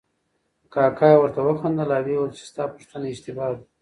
کاکا یې ورته وخندل او ویې ویل چې ستا پوښتنه اشتباه ده.